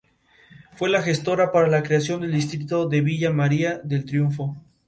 Fue la gestora para la creación del distrito de Villa María del Triunfo.